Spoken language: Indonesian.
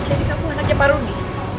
jadi kamu anaknya pak rumi